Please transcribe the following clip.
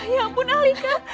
ya ampun alika